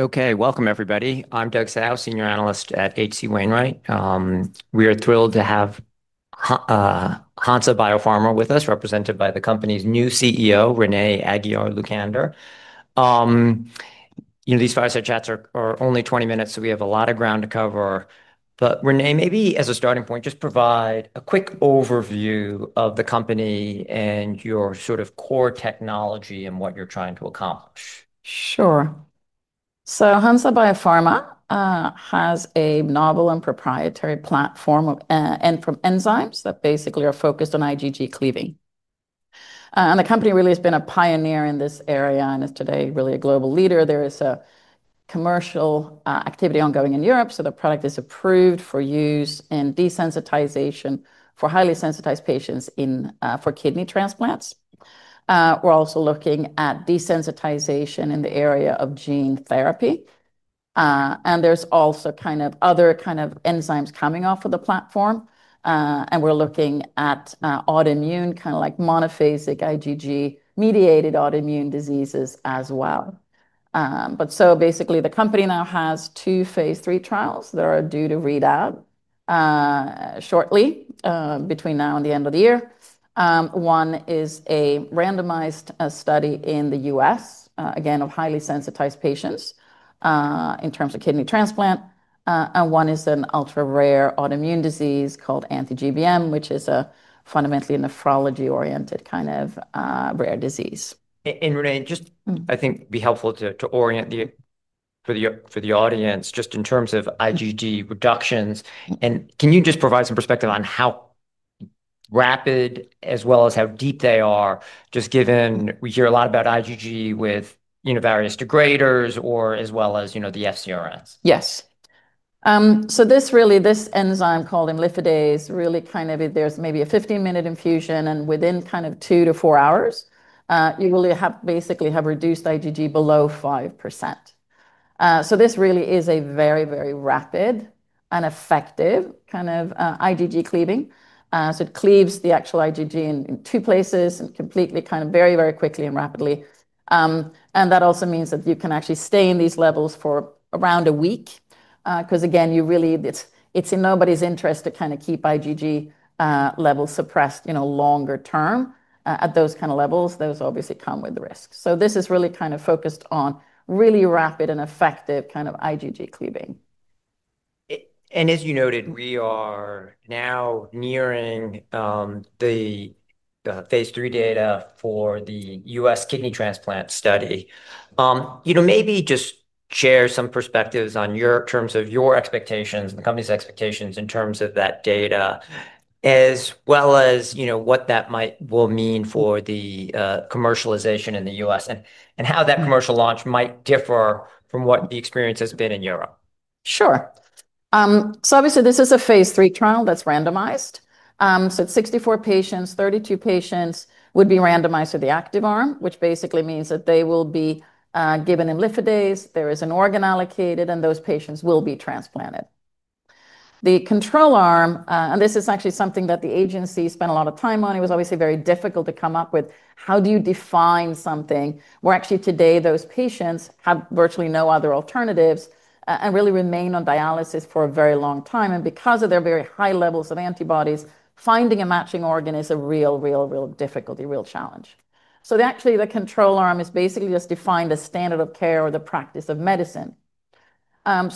Okay, welcome everybody. I'm Douglas Tsao, Senior Analyst at H.C. Wainwright & Co. We are thrilled to have Hansa Biopharma with us, represented by the company's new CEO, Renée Aguiar-Lucander. You know, these fireside chats are only 20 minutes, so we have a lot of ground to cover. Renée, maybe as a starting point, just provide a quick overview of the company and your sort of core technology and what you're trying to accomplish. Sure. So, Hansa Biopharma has a novel and proprietary platform for enzymes that basically are focused on IgG cleaving. The company really has been a pioneer in this area and is today really a global leader. There is a commercial activity ongoing in Europe, so the product is approved for use in desensitization for highly sensitized patients for kidney transplants. We're also looking at desensitization in the area of gene therapy. There's also other kinds of enzymes coming off of the platform. We're looking at autoimmune, kind of like monophasic IgG-mediated autoimmune diseases as well. The company now has two Phase 3 trials that are due to read out shortly between now and the end of the year. One is a randomized study in the U.S., again of highly sensitized patients in terms of kidney transplant. One is an ultra-rare autoimmune disease called anti-GBM, which is fundamentally a nephrology-oriented kind of rare disease. Renée, I think it'd be helpful to orient you for the audience just in terms of IgG reductions. Can you just provide some perspective on how rapid as well as how deep they are, just given we hear a lot about IgG with various degraders or as well as the FCRS? Yes. This enzyme called imlifidase, there's maybe a 15-minute infusion and within two to four hours, you will basically have reduced IgG below 5%. This is a very, very rapid and effective kind of IgG cleaving. It cleaves the actual IgG in two places and completely, very, very quickly and rapidly. That also means that you can actually stay in these levels for around a week. It's in nobody's interest to keep IgG levels suppressed longer term at those levels. Those obviously come with the risks. This is really focused on rapid and effective IgG cleaving. As you noted, we are now nearing the Phase 3 data for the U.S. kidney transplant study. Maybe just share some perspectives in terms of your expectations and the company's expectations in terms of that data, as well as what that might mean for the commercialization in the U.S. and how that commercial launch might differ from what the experience has been in Europe. Sure. Obviously, this is a Phase 3 trial that's randomized. It's 64 patients, 32 patients would be randomized to the active arm, which basically means that they will be given imlifidase. There is an organ allocated and those patients will be transplanted. The control arm, and this is actually something that the agency spent a lot of time on, it was very difficult to come up with how do you define something where actually today those patients have virtually no other alternatives and really remain on dialysis for a very long time. Because of their very high levels of antibodies, finding a matching organ is a real, real, real difficulty, a real challenge. The control arm is basically just defined as standard of care or the practice of medicine. In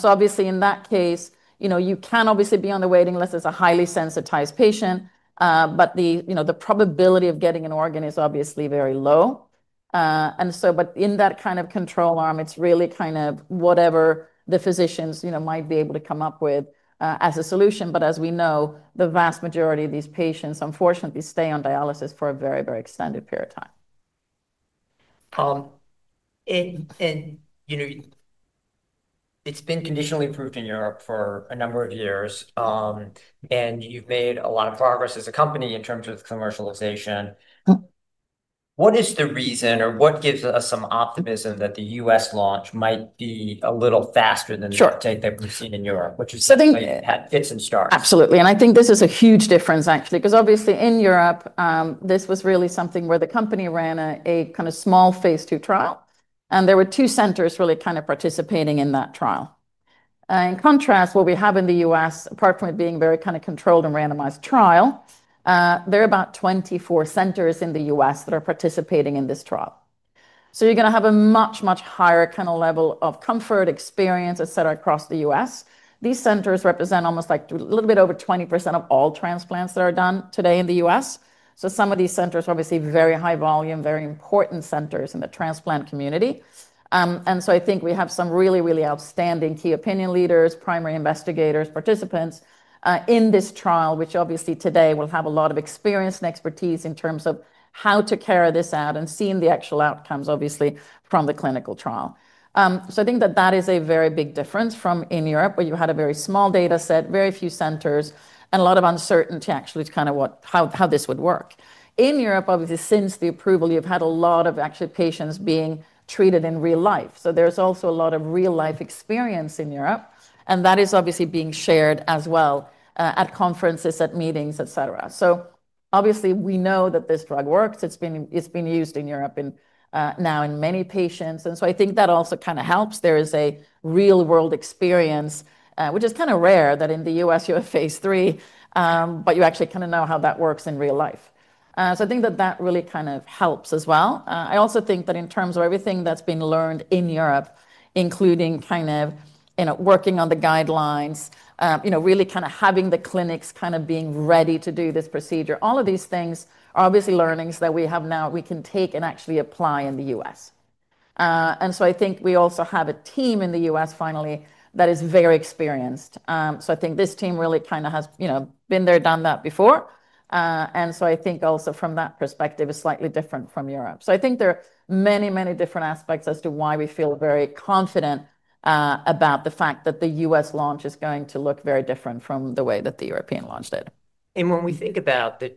that case, you can be on the waiting list as a highly sensitized patient. The probability of getting an organ is very low. In that kind of control arm, it's really kind of whatever the physicians might be able to come up with as a solution. As we know, the vast majority of these patients unfortunately stay on dialysis for a very, very extended period of time. It's been conditionally approved in Europe for a number of years, and you've made a lot of progress as a company in terms of commercialization. What is the reason or what gives us some optimism that the U.S. launch might be a little faster than the uptake that we've seen in Europe, which is a bit of a distant star? Absolutely. I think this is a huge difference actually, because obviously in Europe, this was really something where the company ran a kind of small Phase 2 trial. There were two centers really kind of participating in that trial. In contrast, what we have in the U.S., apart from it being a very kind of controlled and randomized trial, there are about 24 centers in the U.S. that are participating in this trial. You are going to have a much, much higher kind of level of comfort, experience, etc., across the U.S. These centers represent almost a little bit over 20% of all transplants that are done today in the U.S. Some of these centers are obviously very high volume, very important centers in the transplant community. I think we have some really, really outstanding key opinion leaders, primary investigators, participants in this trial, which obviously today will have a lot of experience and expertise in terms of how to carry this out and seeing the actual outcomes from the clinical trial. I think that is a very big difference from in Europe, where you had a very small data set, very few centers, and a lot of uncertainty actually to how this would work. In Europe, since the approval, you have had a lot of patients being treated in real life. There is also a lot of real-life experience in Europe. That is being shared as well at conferences, at meetings, etc. We know that this drug works. It has been used in Europe now in many patients. I think that also kind of helps. There is a real-world experience, which is kind of rare that in the U.S. you have Phase 3, but you actually know how that works in real life. I think that really kind of helps as well. I also think that in terms of everything that has been learned in Europe, including working on the guidelines, really having the clinics being ready to do this procedure, all of these things are learnings that we have now we can take and apply in the U.S. I think we also have a team in the U.S. finally that is very experienced. This team really kind of has been there, done that before. I think also from that perspective, it is slightly different from Europe. There are many, many different aspects as to why we feel very confident about the fact that the U.S. launch is going to look very different from the way that the European launch did. When we think about the,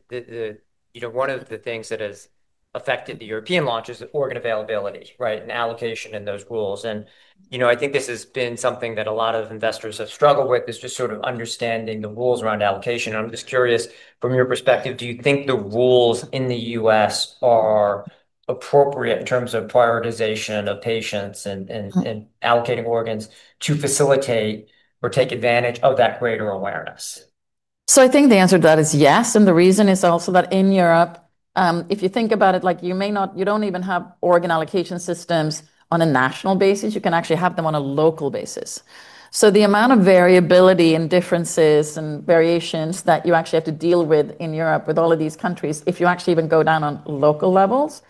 you know, one of the things that has affected the European launch is the organ availability, right, and allocation in those rules. I think this has been something that a lot of investors have struggled with, just sort of understanding the rules around allocation. I'm just curious, from your perspective, do you think the rules in the U.S. are appropriate in terms of prioritization of patients and allocating organs to facilitate or take advantage of that greater awareness? I think the answer to that is yes. The reason is also that in Europe, if you think about it, you may not, you don't even have organ allocation systems on a national basis. You can actually have them on a local basis. The amount of variability and differences and variations that you actually have to deal with in Europe with all of these countries, if you actually even go down on local levels,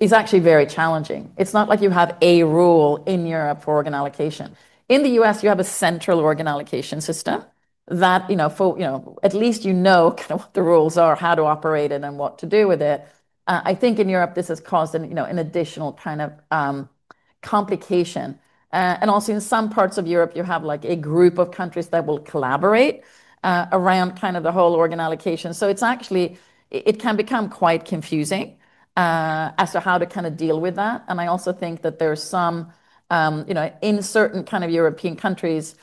is actually very challenging. It's not like you have a rule in Europe for organ allocation. In the U.S., you have a central organ allocation system that, you know, at least you know kind of what the rules are, how to operate it, and what to do with it. I think in Europe, this has caused an additional kind of complication. Also, in some parts of Europe, you have a group of countries that will collaborate around kind of the whole organ allocation. It can become quite confusing as to how to kind of deal with that. I also think that there are some, you know, in certain kind of European countries,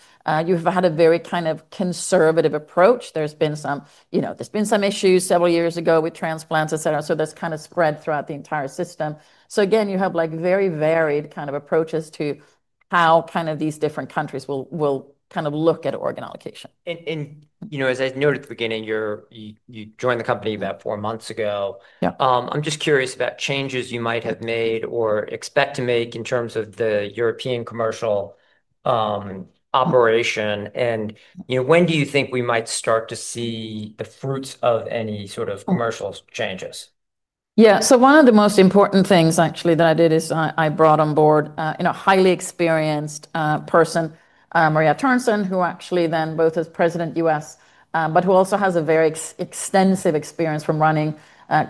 you've had a very kind of conservative approach. There's been some, you know, there's been some issues several years ago with transplants, et cetera. That's kind of spread throughout the entire system. Again, you have very varied kind of approaches to how these different countries will kind of look at organ allocation. As I noted at the beginning, you joined the company about four months ago. I'm just curious about changes you might have made or expect to make in terms of the European commercial operation. When do you think we might start to see the fruits of any sort of commercial changes? Yeah, so one of the most important things actually that I did is I brought on board, you know, a highly experienced person, Maria Törnsén, who actually then both is President US, but who also has a very extensive experience from running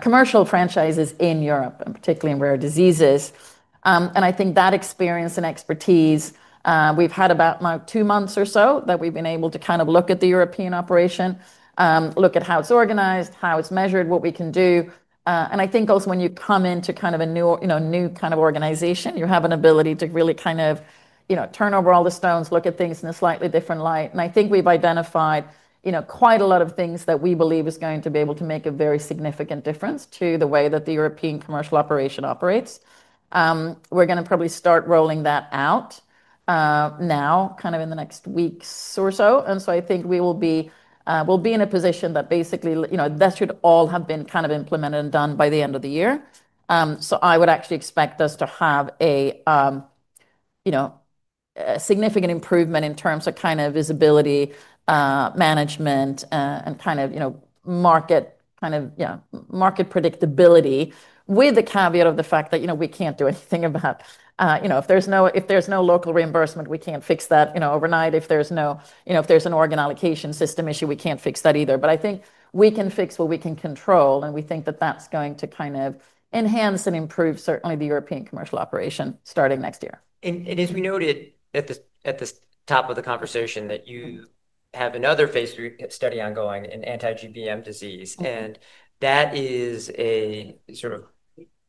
commercial franchises in Europe, particularly in rare diseases. I think that experience and expertise, we've had about two months or so that we've been able to kind of look at the European operation, look at how it's organized, how it's measured, what we can do. I think also when you come into kind of a new, you know, new kind of organization, you have an ability to really kind of, you know, turn over all the stones, look at things in a slightly different light. I think we've identified, you know, quite a lot of things that we believe is going to be able to make a very significant difference to the way that the European commercial operation operates. We're going to probably start rolling that out now kind of in the next weeks or so. I think we will be, we'll be in a position that basically, you know, this should all have been kind of implemented and done by the end of the year. I would actually expect us to have a, you know, significant improvement in terms of kind of visibility, management, and kind of, you know, market kind of, yeah, market predictability with the caveat of the fact that, you know, we can't do anything about, you know, if there's no, if there's no local reimbursement, we can't fix that, you know, overnight. If there's no, you know, if there's an organ allocation system issue, we can't fix that either. I think we can fix what we can control. We think that that's going to kind of enhance and improve certainly the European commercial operation starting next year. As we noted at the top of the conversation, you have another Phase 3 study ongoing in anti-GBM disease. That is a sort of,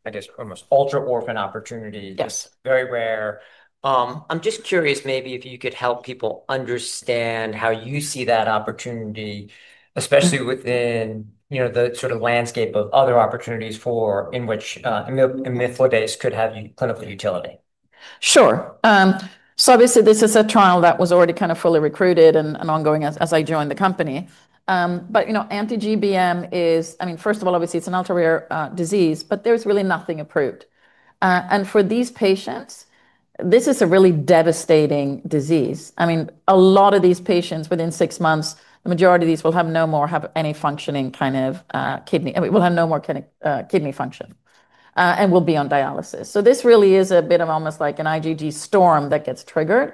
I guess, almost ultra-orphan opportunity, just very rare. I'm just curious if you could help people understand how you see that opportunity, especially within the sort of landscape of other opportunities for which imlifidase could have clinical utility. Sure. Obviously, this is a trial that was already kind of fully recruited and ongoing as I joined the company. You know, anti-GBM is, I mean, first of all, obviously, it's an ultra-rare disease, but there's really nothing approved. For these patients, this is a really devastating disease. A lot of these patients within six months, the majority of these will have no more functioning kind of kidney, will have no more kidney function and will be on dialysis. This really is a bit of almost like an IgG storm that gets triggered.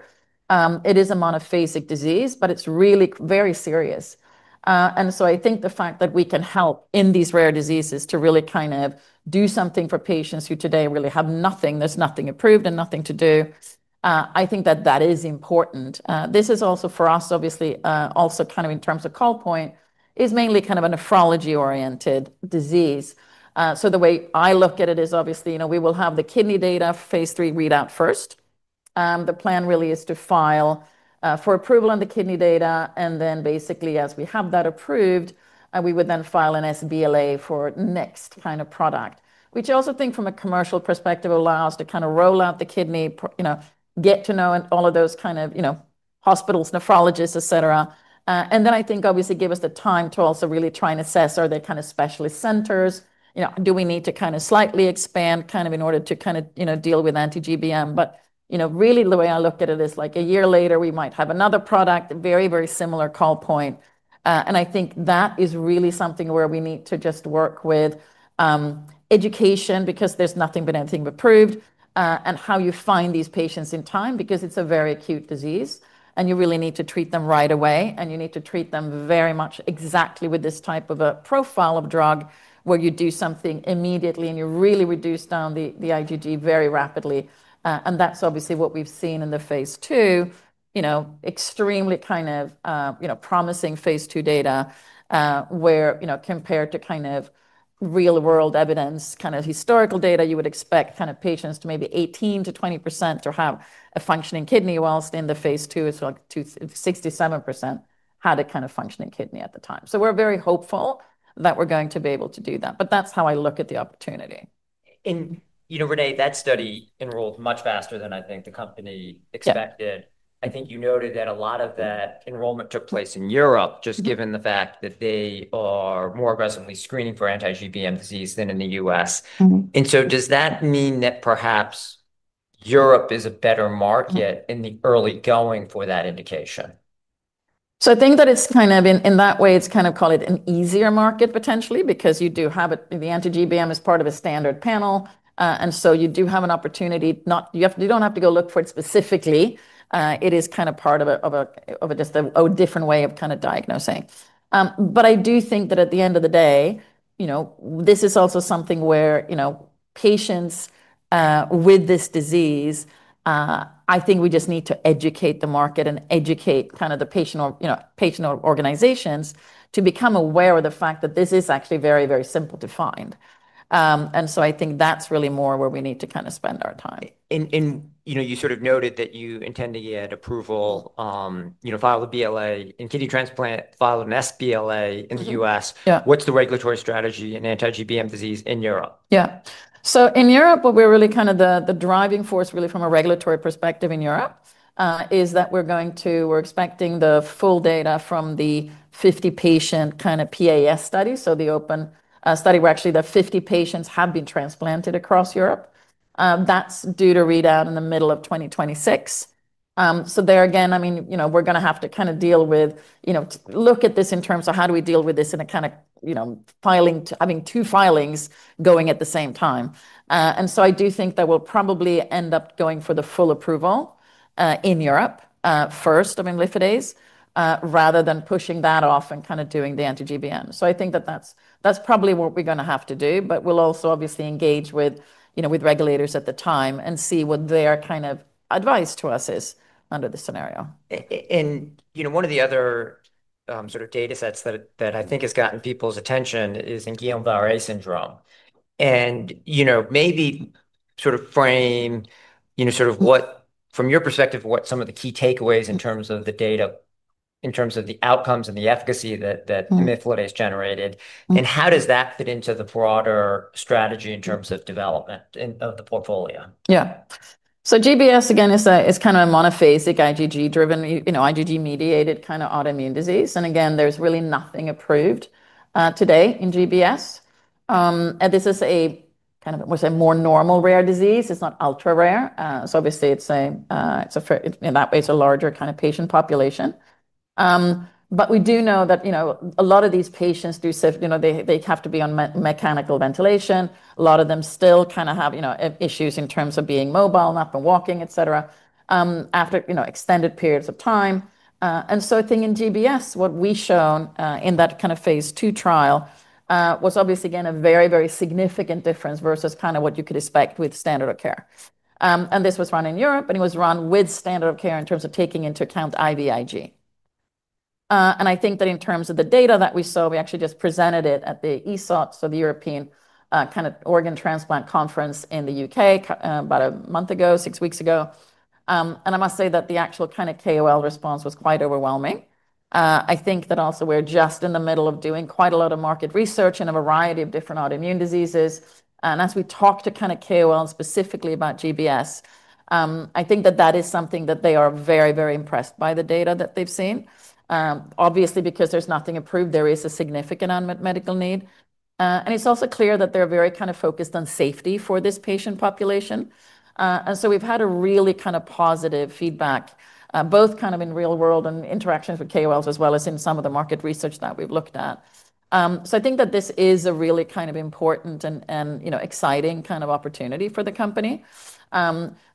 It is a monophasic disease, but it's really very serious. I think the fact that we can help in these rare diseases to really kind of do something for patients who today really have nothing, there's nothing approved and nothing to do, I think that that is important. This is also for us, obviously, also kind of in terms of call point, is mainly kind of a nephrology-oriented disease. The way I look at it is obviously, you know, we will have the kidney data Phase 3 readout first. The plan really is to file for approval on the kidney data. Basically, as we have that approved, we would then file an sBLA for next kind of product, which I also think from a commercial perspective allows us to kind of roll out the kidney, you know, get to know all of those kind of, you know, hospitals, nephrologists, et cetera. I think obviously give us the time to also really try and assess, are there kind of specialist centers? Do we need to kind of slightly expand kind of in order to kind of, you know, deal with anti-GBM? Really the way I look at it is like a year later, we might have another product, very, very similar call point. I think that is really something where we need to just work with education because there's nothing been anything approved and how you find these patients in time because it's a very acute disease and you really need to treat them right away. You need to treat them very much exactly with this type of a profile of drug where you do something immediately and you really reduce down the IgG very rapidly. That's obviously what we've seen in the Phase 2, you know, extremely kind of, you know, promising Phase 2 data where, you know, compared to kind of real-world evidence, kind of historical data, you would expect kind of patients to maybe 18% to 20% to have a functioning kidney whilst in the Phase 2, it's like 67% had a kind of functioning kidney at the time. We're very hopeful that we're going to be able to do that. That's how I look at the opportunity. Renée, that study enrolled much faster than I think the company expected. I think you noted that a lot of that enrollment took place in Europe, just given the fact that they are more aggressively screening for anti-GBM disease than in the U.S. Does that mean that perhaps Europe is a better market in the early going for that indication? I think that it's kind of in that way, it's kind of called an easier market potentially because you do have the anti-GBM as part of a standard panel. You do have an opportunity. You don't have to go look for it specifically. It is kind of part of just a different way of diagnosing. I do think that at the end of the day, this is also something where patients with this disease, I think we just need to educate the market and educate the patient or patient organizations to become aware of the fact that this is actually very, very simple to find. I think that's really more where we need to kind of spend our time. You sort of noted that you intend to get approval, file the BLA in kidney transplant, file an sBLA in the U.S. What's the regulatory strategy in anti-GBM disease in Europe? Yeah. In Europe, what we're really kind of the driving force really from a regulatory perspective in Europe is that we're going to, we're expecting the full data from the 50 patient kind of PAS study. The open study where actually the 50 patients have been transplanted across Europe is due to read out in the middle of 2026. There again, I mean, we're going to have to kind of deal with, look at this in terms of how do we deal with this in a kind of filing, having two filings going at the same time. I do think that we'll probably end up going for the full approval in Europe first of imlifidase rather than pushing that off and kind of doing the anti-GBM. I think that that's probably what we're going to have to do. We'll also obviously engage with regulators at the time and see what their kind of advice to us is under the scenario. One of the other sort of data sets that I think has gotten people's attention is Guillain-Barré syndrome. Maybe sort of frame, you know, sort of what, from your perspective, what some of the key takeaways in terms of the data, in terms of the outcomes and the efficacy that imlifidase generated. How does that fit into the broader strategy in terms of development of the portfolio? Yeah. GBS again is kind of a monophasic IgG-driven, you know, IgG-mediated kind of autoimmune disease. There's really nothing approved today in GBS. This is a kind of, we'll say, more normal rare disease. It's not ultra rare. Obviously, it's a, in that way, it's a larger kind of patient population. We do know that a lot of these patients do say they have to be on mechanical ventilation. A lot of them still kind of have issues in terms of being mobile, not been walking, et cetera, after extended periods of time. I think in GBS, what we've shown in that kind of Phase 2 trial was obviously again a very, very significant difference versus kind of what you could expect with standard of care. This was run in Europe, and it was run with standard of care in terms of taking into account IVIG. I think that in terms of the data that we saw, we actually just presented it at the ESOT, the European kind of organ transplant conference in the UK about a month ago, six weeks ago. I must say that the actual kind of KOL response was quite overwhelming. I think that also we're just in the middle of doing quite a lot of market research in a variety of different autoimmune diseases. As we talk to kind of KOL specifically about GBS, I think that that is something that they are very, very impressed by the data that they've seen. Obviously, because there's nothing approved, there is a significant medical need. It's also clear that they're very kind of focused on safety for this patient population. We've had a really kind of positive feedback, both kind of in real world and interactions with KOLs, as well as in some of the market research that we've looked at. I think that this is a really kind of important and, you know, exciting kind of opportunity for the company.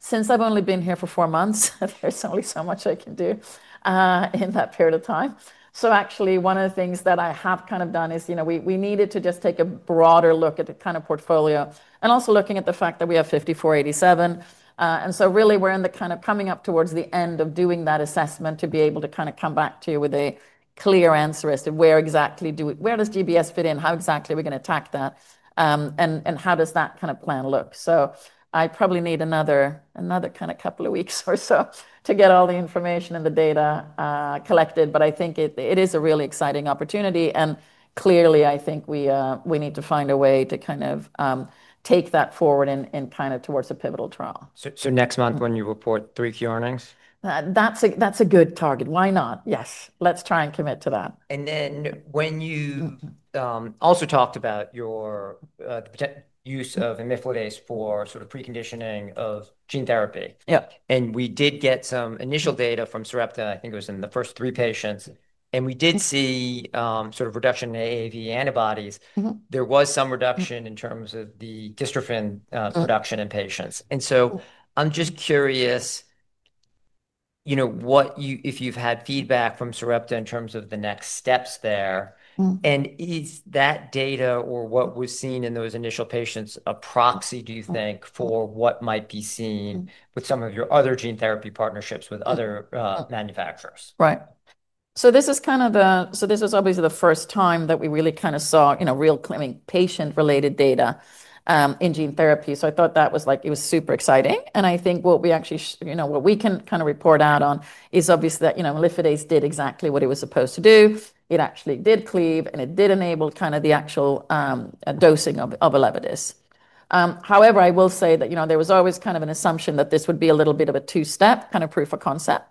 Since I've only been here for four months, there's only so much I can do in that period of time. Actually, one of the things that I have kind of done is, you know, we needed to just take a broader look at the kind of portfolio and also looking at the fact that we have HNSA-5487. Really, we're in the kind of coming up towards the end of doing that assessment to be able to kind of come back to you with a clear answer as to where exactly do we, where does GBS fit in, how exactly are we going to attack that, and how does that kind of plan look? I probably need another couple of weeks or so to get all the information and the data collected. I think it is a really exciting opportunity. Clearly, I think we need to find a way to take that forward and towards a pivotal trial. Next month, when you report 3Q earnings. That's a good target. Why not? Yes, let's try and commit to that. When you also talked about your use of imlifidase for sort of preconditioning of gene therapy. Yeah. We did get some initial data from Sarepta Therapeutics. I think it was in the first three patients. We did see sort of reduction in AAV antibodies. There was some reduction in terms of the dystrophin production in patients. I'm just curious, you know, if you've had feedback from Sarepta Therapeutics in terms of the next steps there. Is that data or what was seen in those initial patients a proxy, do you think, for what might be seen with some of your other gene therapy partnerships with other manufacturers? Right. This is obviously the first time that we really kind of saw real kind of patient-related data in gene therapy. I thought that was super exciting. I think what we actually, what we can kind of report out on is obviously that imlifidase did exactly what it was supposed to do. It actually did cleave and it did enable kind of the actual dosing of Elavidis. However, I will say that there was always kind of an assumption that this would be a little bit of a two-step kind of proof of concept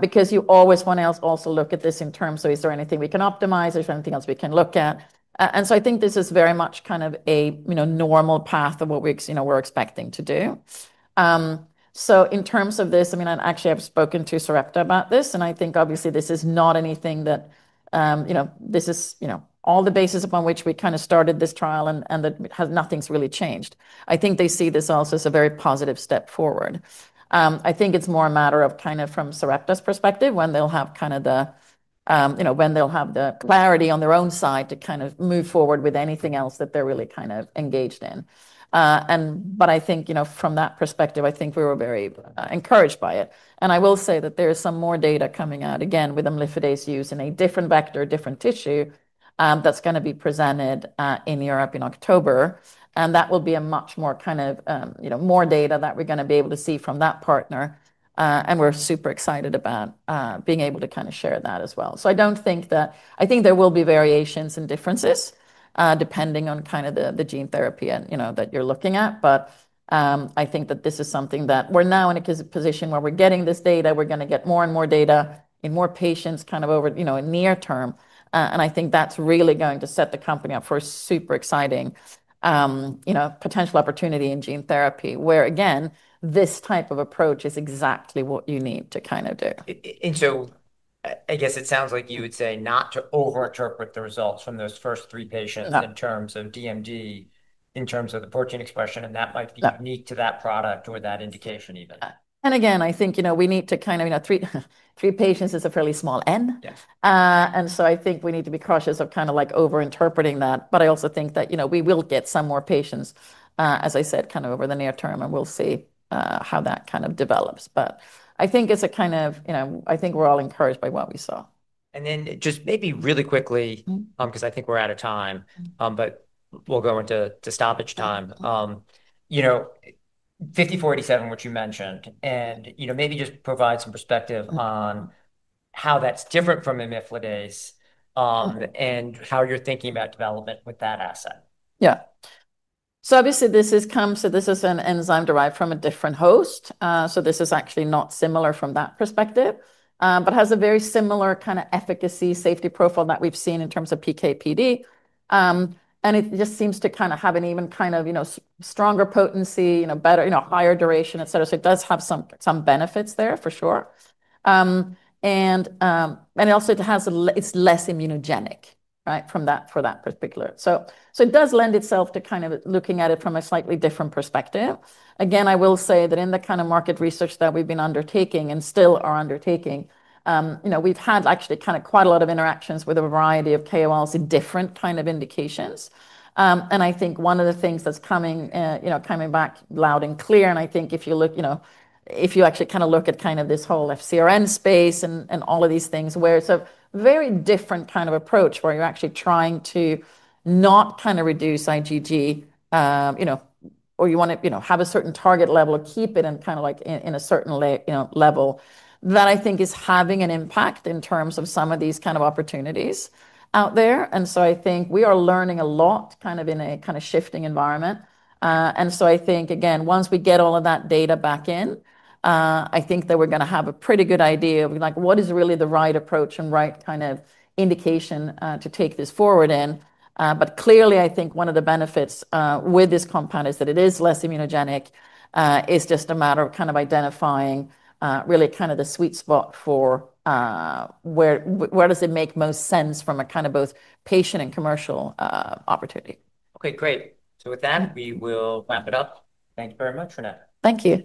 because you always want to also look at this in terms of is there anything we can optimize, is there anything else we can look at. I think this is very much kind of a normal path of what we're expecting to do. In terms of this, I actually have spoken to Sarepta Therapeutics about this. I think obviously this is not anything that, this is all the basis upon which we kind of started this trial and that nothing's really changed. I think they see this also as a very positive step forward. I think it's more a matter of kind of from Sarepta Therapeutics' perspective when they'll have the clarity on their own side to kind of move forward with anything else that they're really kind of engaged in. I think from that perspective, we were very encouraged by it. I will say that there is some more data coming out again with imlifidase use in a different vector, different tissue that's going to be presented in Europe in October. That will be much more kind of more data that we're going to be able to see from that partner. We're super excited about being able to kind of share that as well. I don't think that, I think there will be variations and differences depending on the gene therapy that you're looking at. I think that this is something that we're now in a position where we're getting this data. We're going to get more and more data in more patients in the near term. I think that's really going to set the company up for a super exciting potential opportunity in gene therapy where again, this type of approach is exactly what you need to kind of do. I guess it sounds like you would say not to overinterpret the results from those first three patients in terms of DMD, in terms of the protein expression, and that might be unique to that product or that indication even. I think we need to kind of, you know, three patients is a fairly small N. I think we need to be cautious of kind of like overinterpreting that. I also think that we will get some more patients, as I said, kind of over the near term, and we'll see how that kind of develops. I think we're all encouraged by what we saw. Maybe really quickly, because I think we're out of time, we'll go into stoppage time. You know, HNSA-5487, what you mentioned, maybe just provide some perspective on how that's different from imlifidase and how you're thinking about development with that asset. Yeah. This has come, so this is an enzyme derived from a different host. This is actually not similar from that perspective, but has a very similar kind of efficacy safety profile that we've seen in terms of PKPD. It just seems to have an even stronger potency, better, higher duration, et cetera. It does have some benefits there for sure. It also has, it's less immunogenic, right, for that particular. It does lend itself to looking at it from a slightly different perspective. In the market research that we've been undertaking and still are undertaking, we've had actually quite a lot of interactions with a variety of KOLs in different indications. One of the things that's coming back loud and clear, and if you actually look at this whole FCRN space and all of these things where it's a very different approach where you're actually trying to not reduce IgG, or you want to have a certain target level of keep it in a certain level, that I think is having an impact in terms of some of these opportunities out there. I think we are learning a lot in a shifting environment. Once we get all of that data back in, I think that we're going to have a pretty good idea of what is really the right approach and right indication to take this forward in. Clearly, one of the benefits with this compound is that it is less immunogenic. It's just a matter of identifying really the sweet spot for where does it make most sense from both a patient and commercial opportunity. Okay, great. With that, we will wrap it up. Thank you very much, Renée. Thank you.